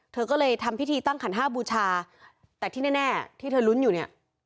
เธอก็เลยทำพิธีตั้งขันห้าบูชาแต่ที่แน่ที่เธอลุ้นอยู่เนี่ย